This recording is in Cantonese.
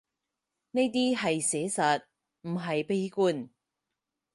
呢啲係寫實，唔係悲觀